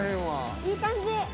いい感じ。